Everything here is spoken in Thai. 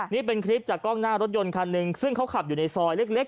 นี่เป็นคลิปจากกล้องหน้ารถยนต์คันหนึ่งซึ่งเขาขับอยู่ในซอยเล็ก